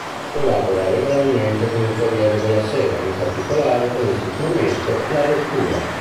Collabora regolarmente con il "Corriere della Sera", in particolare con il supplemento La Lettura.